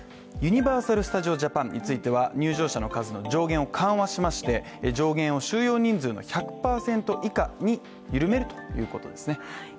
ユニバーサル・スタジオ・ジャパンについては入場者の数の上限を緩和しまして上限を収容人数の１００％以下に緩めるということですね。